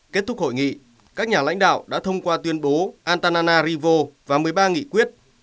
kết thúc hội nghị các nhà lãnh đạo đã thông qua tuyên bố antana rivo và một mươi ba nghị quyết